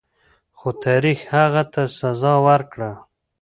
خو تاریخ هغه ته سزا ورکړه.